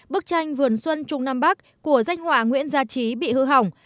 bức tranh vườn xuân trung nam bắc của danh hòa nguyễn gia trí bị hư hỏng